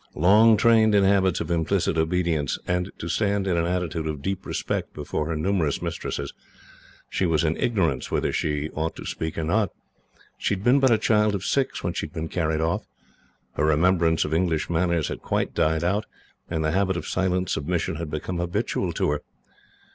Long trained in habits of implicit obedience, and to stand in an attitude of deep respect before her numerous mistresses, she was in ignorance whether she ought to speak or not. She had been but a child of six, when she had been carried off. Her remembrance of English manners had quite died out, and the habit of silent submission had become habitual to her.